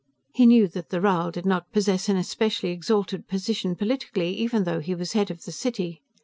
He knew that the Rhal did not possess an especially exalted position politically, even though he was head of the city.